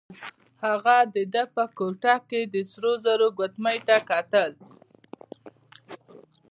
هغه د ده په ګوته کې د سرو زرو ګوتمۍ ته کتل.